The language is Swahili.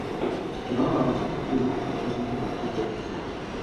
utawala wa Magufuli ulifanya makubwa sana